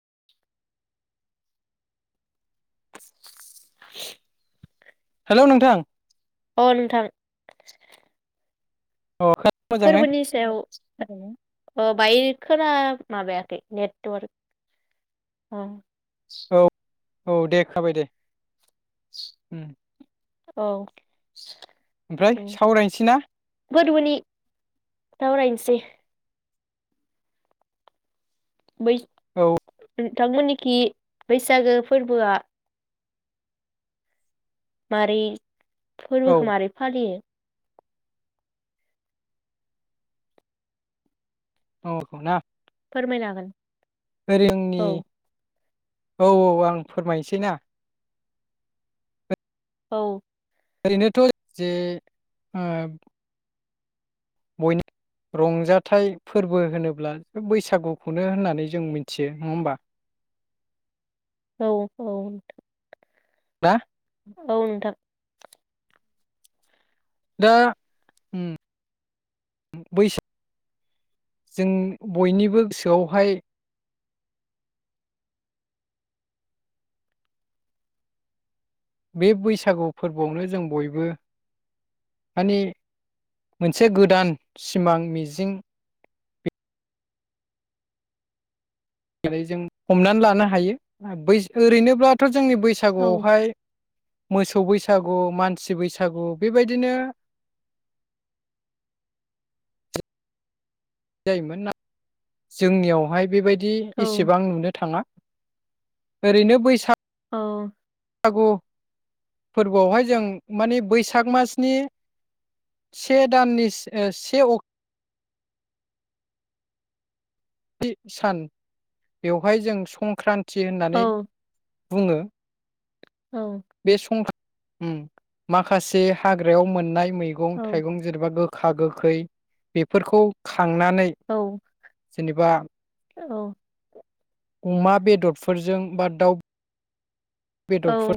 [inaudible] [inaudible] हेल नोंथां अ नोंथां अ [unintelligible] फोरबोनि सायाव ओ बाय खोना माबायाखै नेटवार्क अ [inaudible] औ औ दे खाबाय दे उ औ ओमफ्राय सावरायनैसि ना? जे बै औ नोंथांमोननिखि बैसागो फोरबोआ मारि? औ फोर्बोखौ मारै फालियो? औ [unintelligible] फोरमायनो हागोन। फोरेंनि औ औ औ आं फोरमायनोसै ना औ ओरै नोथ जे ओ बयनि रंजाथाइ फोर्बो होनोब्ला बैसागुखौनो होननानै जों मिथियो नंङा होमबा? औ औ ना? औ नोंथां। दा उम बैसाग जों बयनिबो गोसआवहाय बे बैसागु फोर्बोआवनो जों बयबो माने मोनसे गोदान सिमां मिजिं [unintelligible] जों हमनानै लानो हायो बै ओरै नोब्लाथ जोंनि बैसागु औ आवहाय मोसौ बैसागु मानसि बैसागु बेबायदिनो जायोमोन ना जोंनियावहाय बेबाय दि औ एसेबां नुनो थांङा। ओरैनो बैसाग औ फोर्बो आवहाय जों माने बैसाग मासनि से दाननि ओ से अक थि सान बेवहाय जों संख्रान थि औ होननानै बुंङो। औ बे सं उम माखासे हाग्रायाव मोननाय मेगं औ थाइगं जेनेबा गो खा गोखै बेफोरखौ खा खांनानै औ जेनेबा औ अमा बेदरफोरजों बा दाउ औ बेदरफोर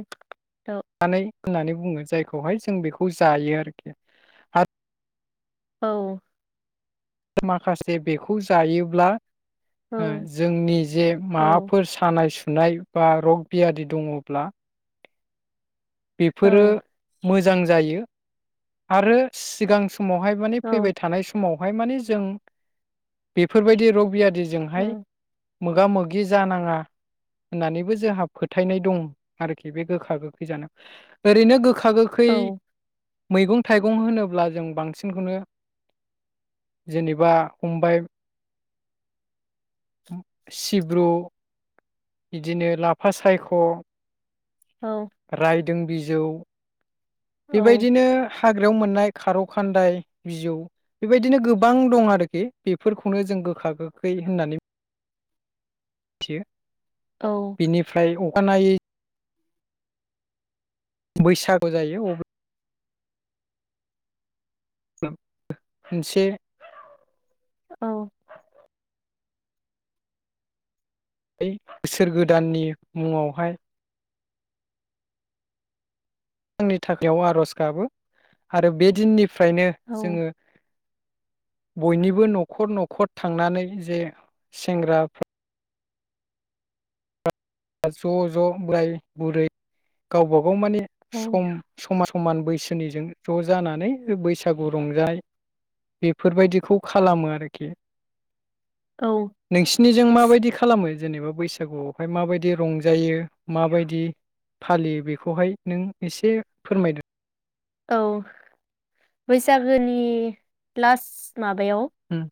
औ नानै होननानै बुंङो जायखौहाय जों बेखौ जायो आरोखि आ औ माखासे बेखौ जायोब्ला ओ जोंनि जे औ माबाफोर सानाय सु नाय बा रग बियादि दंङब्ला बेफोरो औ मोज जां जायो आरो सिगां स महाय माने फैबाय थानाय समाव हाय माने जों बेफोरबायदि रग बियाद जों हाय मोगा मोगि जानाङा होननानैबो जोंहा फोथायनाय दं आरोखि बे गोखा गोखै जानायाव। ओरैनो गो खा गोखै औ मैगं थाइगं होनोब्ला जों बांसिनखौनो जेनेबा फमबाय सिब्रु बिदिनो लाफा सायख राइद दों बिजौ औ बेबायदिनो हाग्रायाव मोननाय खारौ खान्दाय बिजौ बेबायदिनो गोबां दं आरोखि बेफोरखौनो जों गोखा गोखै होननानै थियो। औ बिनिफ्राय अ खानायै बैसागु जायो अब ब्ला मोनसे औ बै बोसोर गोदाननि मुङावहाय आंनि थाखायाव आरज गाबो आरो बे दिननि फ्रायनो औ जोङो बयनिबो नखर नखर थांनानै जे सेंग्राफ्रा ज ज बोराय बुरै गावबा गाव माने औ सम समाज समान बैसोनिजों ज जानानै बैसागु रंजा बेफोरबायदिखौ खालामो आरोखि। औ नोंसिनिजों माबायदि खालामो? जेनेबा बैसागुआवहाय माबाय दि रंजायो माबायदि फालियो बेखौहाय नों एसे फोरमायदो। औ बैसागोनि लास्ट माबायाव उम।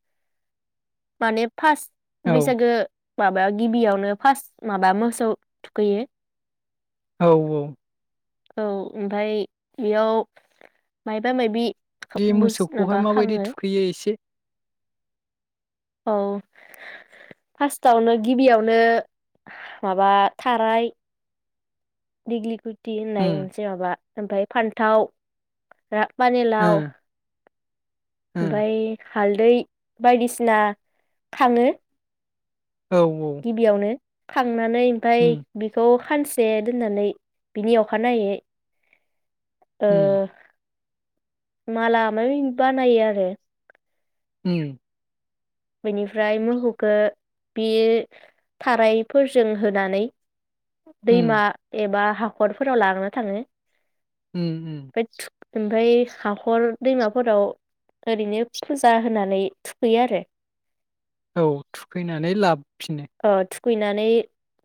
माने फास्थ औ बैसागो माबा गिबियावनो फास्ट माबा मोसौ थुखैयो औ औ औ ओमफाय बेयाव मायबा मायबि बे बुस माबा मोसौखौहाय माबायदि खाङो थुखैयो एसे औ फार्स्टआवनो गिबियावनो माबा थाराय दिग्लिकुयै थिन उम होननाय मोनसे माबा ओमफाय फान्थाव रा माने ओ लाव ओ ओमफाय हालदै बायदिसिना खाङो औ गिबियावनो खां नानै ओमफाय उम बेखौ खानसे दोननानै बिनि अखानायै ओ उम माला मामै बानायो आरो उम बेनिफ्राय मोहौखो बे थारायफोरजों होनानै दैमा उम एबा हाखरफोराव लाङो थाङो उम उम ओमफाय ओमफाय हाखर दैमाफोराव ओरैनो फुजा होनानै थुखैयो आरो औ थुखैनानै लाब ओ थुग खुैनानै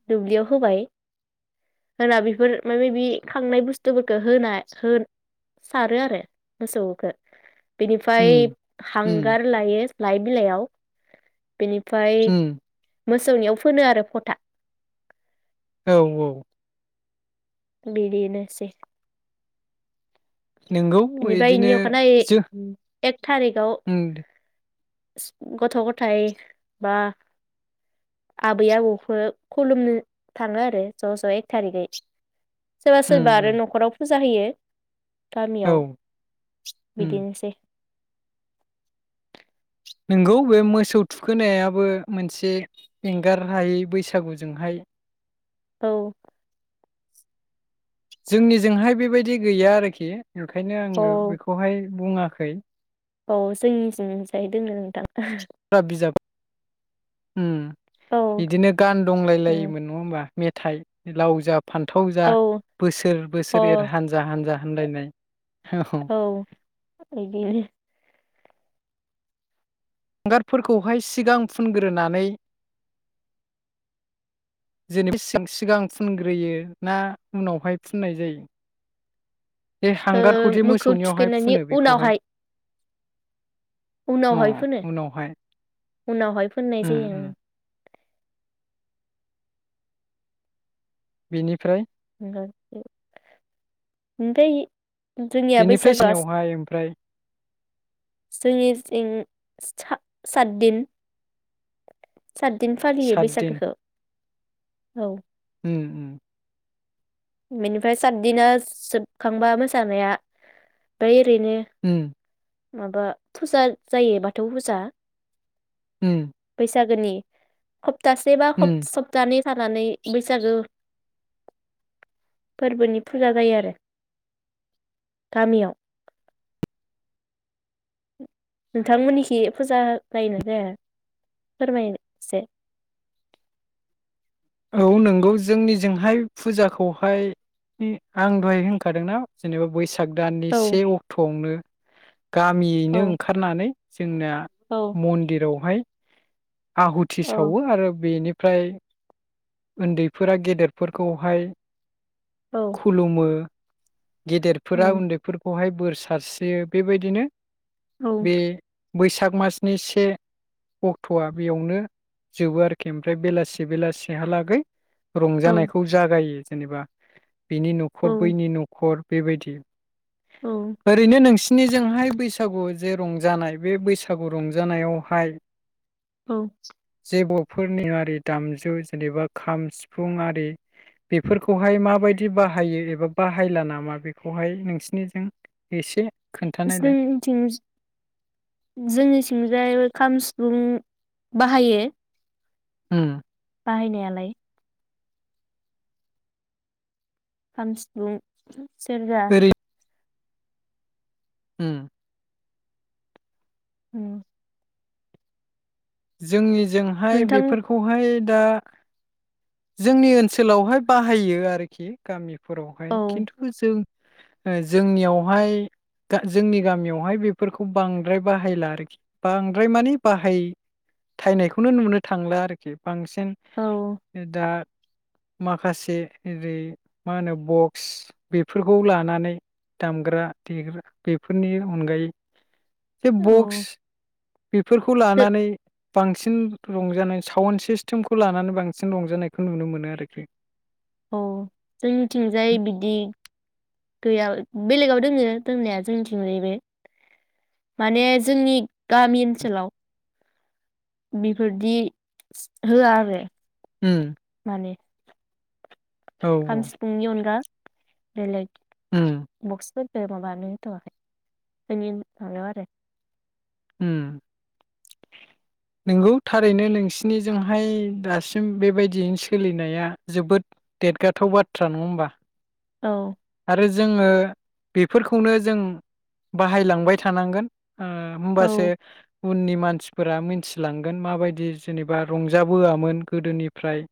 दुब्लियाव होबाय होना बेफोर माबा माबि खांनाय बुस्थुफोरखौ होना होन सारो आरो मोसौखौ बिनिफाय उम उम हांगार लायो लाइ बिलाइयाव बेनिफाय उम मोसौनियाव फोनो आरो फथा औ औ बिदिनोसै नोंगौ बेनिफायनि इदिनो अखानायै जो एक थारिखाव उम गथ गथायाइ बा आबै आबौखो खुलुमनो थाङो आरो ज ज एक थारिखयै सोरबा उम सोरबा आरो नखराव फु जा होयो औ गामियाव उम बिदिनोसै नोंगौ बे मोसौ थुखोनायाबो मोनसे एंगार हायै बैसागुजोंहाय औ जोंनि जोंहाय बेबायदि गैया आरोखि बेखायनो आङो औ बेखौहाय बुङाखै औ जोंनिथिंजाय दोङो नोंथां फा बिजाब हुम औ बिदिनो गान दंलाय लायोमोन नङा होमबा मेथाइ लावजाब फान्थाव जा औ बोसोर अ बोसोर एर हानजा हानजा होनलायनाय औ बिदिनो हांगारफोरखौहाय सिगां फुनग्रोनानै जेनब सिगां फुनग्रोयो ना उनावहाय फुननाय जायो बे हांगारखौ दि मोखौ मोसौनियावहाय थुखैनायनि फुनो उनावहाय बेखौहाय अ उनावहाय फोनो उनावहाय उनावहाय फोननाय जायो ओं बेनिफ्राय ओमफाय बेनिफ्राय सिनियावहाय ओमफ्राय जोंनि जिं सातदिन [inaudible] सातदिन फालियो बैसागोखौ औ उ बेनिफ्राय साददिना जोबखांबा मोसा सानाया बोय नो उम माबा फुजा जायो बाथौ फुजा उम सागोननि ख सप्तासे बा उम सप्तानै सानानै बैसागु फोरबोनि फुजा जायो आरो गामियाव नोंथांमोननिखि फुजा जायो ना जाया फोरमायनाय एसे औ नंगौ जोंनिजोंहाय फुजाखौहाय आं दहाय होनखादोंना जेनेबा बैसाग साग दाननि औ से अक्टआवनो औ गामियैनो ओंखारनानै जोंना औ मन्दिरावहाय आहुथि औ सावो आरो बेनि फ्राय ओन्दैफोरा गेदेरफोरखौहाय औ खुलुमो गेदेरफोरा औ उन्दैफोरखौहाय बोर सारस्रियो बेबायदिनो औ बे बैसाग मासनि से अक्टआ बेयावनो जोबो आरोखि ओमफ्राय बेलासि बेलासि एहालागै औ रंजानायखौ जागायो जेनेबा बिनि नखर औ बैनि नखर बेबायदि औ ओरैनो नोंसि निजोंहाय बैसागु जे रंजानाय बे बैसागु रंजानायावहाय औ जे बर'फोरनि दोरोंआरि दामजु जेनेबा खाम, सिफुं आरि बेफोरखौहाय माबायदि बाहायो एबा बाहायला नामा बेखौहाय नोंसिनिजों एसे खोन्थानायलाय जोंनिथिं जोंनिथिंजाय खाम, सिफुं बाहायो उम बाहायनायालाय खाम, सिफुं सेरजा ओरै उम उम जोंनि जोंहाय नोंथां बेफोरखौहाय दा जोंनि ओनसोलावहाय बाहायो आरोखि गामि फोरावहाय औ खिन्थु जों ओजोंनियावहाय गा जोंनि गामियावहाय बेफोरखौ बांद्राय बाहायला आरोखि बांद्राय माने बाहाय थायनायखौनो नुनो थांला आरोखि बांसिन औ दा माखासे ओरै मा होनो बक्स बेफोरखौ लानानै दामग्रा देग्रा बेफोरनि अनगायै बे बक्स औ बेफोरखौ जो लानानै बांसिन रंजानाय साउन्ड सिस्टेमखौ लानानै बांसिन रंजानायखौ नुनो मोनो आरोखि औ जोंनिथिंजाय बिदि गैया बेलेगाव दोङो दोंनाया जोंनिथिं बे माने जोंनि गामि ओनसोलाव बेफोरदि होआ आरो ओम ने खाम, सिफुंनि अनगा उम बेलेग बक्सफोर ओ माबानो होथआखै जोंनि माबायाव आरो ओम नंगौ थारैनो नोंसिनिजोंहाय दासिम बेबायदियैनो सोलिनाया जोबोद देरगाथाव बाथ्रा नङा होमबा? औ आरो जोङो बेफोरखौनो जों बाहायलांबाय थानांगोन औ ओ से उननि मानसिफोरा मिथिलांगोन माबायदि जेनेबा रंजाबोआमोन गोदोनिफ्राय।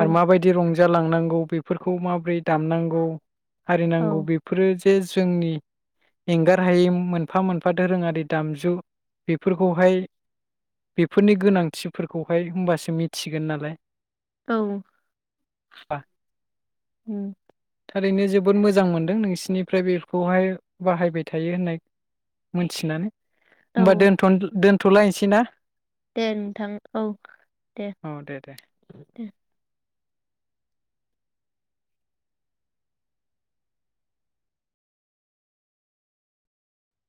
आरो माबायदि रं जालांनांगौ बेफोरखौ माबोरै दामनांगौ आरि औ नांगौ बेफोरो यो जोंनि एंगार हायै मोनफा मोनफा दोरोङारि दामजु। जु बेफोरखौहाय बेफोरनि गोनांथिफोरखौहाय होमबासो मिथिगोन नालाय। औ ओरैनो जोबोद मोजां मोनदों नोंसिनिफ्राय बेखौहाय बाहायबाय थायो होननाय मोनथिनानै। औ होमबा दोनथ दोन थलायनोसै ना? दे नोंथां औ दे औ दे दे दे।